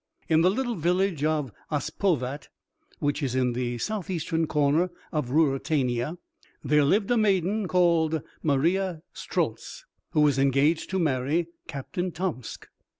In the little village of Ospovat, which is in the southeastern corner of Ruritania, there lived a maiden called Maria Strultz, who was engaged to marry Captain Tomsk.